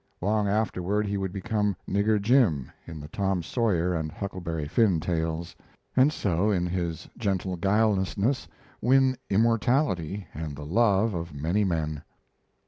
Long afterward he would become Nigger Jim in the Tom Sawyer and Huckleberry Finn tales, and so in his gentle guilelessness win immortality and the love of many men.